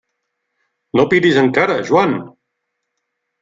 No piris encara, Joan!